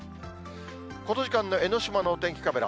この時間の江の島のお天気カメラ。